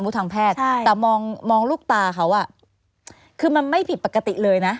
ใช่ใช่แต่มองลูกตาเค้าอะคือมันไม่ผิดปกติเลยนะ